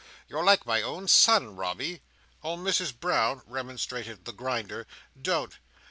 You're like my own son, Robby!" "Oh! Misses Brown!" remonstrated the Grinder. "Don't!